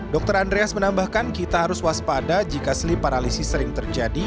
dr andreas menambahkan kita harus waspada jika sleep paralisi sering terjadi